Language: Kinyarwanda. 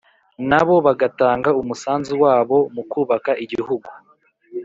na bo bagatang umusanzu wabo mu kubaka igihugu.